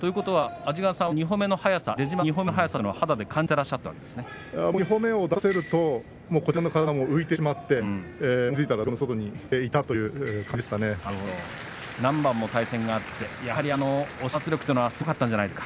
安治川さんは２歩目の速さというのは２歩目を出させるとこちらの体が浮いてしまって気付いたら土俵の外にいた何度も対戦があってやはり押しの圧力というのはすごかったんじゃないですか。